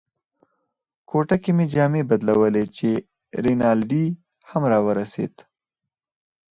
کوټه کې مې جامې بدلولې چې رینالډي هم را ورسېد.